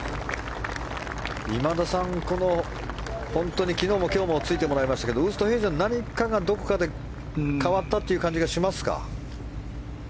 今田さん、昨日も今日もついてもらいましたけどウーストヘイゼンの何かがどこかで変わったという感じがしますか？